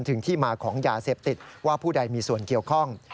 ถึงที่มาของยาเสพติดว่าผู้ใดมีส่วนเกี่ยวข้อง